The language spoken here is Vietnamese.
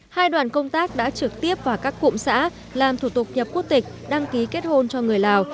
hai đoàn công tác đã trực tiếp vào các cụm xã làm thủ tục nhập quốc tịch đăng ký kết hôn cho người lào